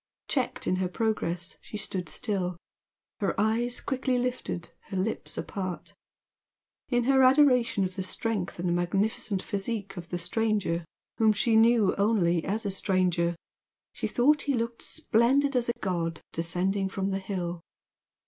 Checked in her progress she stood still, her eyes quickly lifted, her lips apart. In her adoration of the strength and magnificent physique of the stranger whom she knew only as a stranger, she thought he looked splendid as a god descending from the hill.